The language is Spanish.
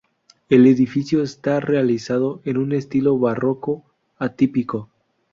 El edificio está realizado en un estilo barroco atípico.